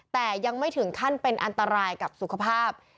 แต่ยังไม่ถึงขั้นเป็นอันตรายกับสุขภาพ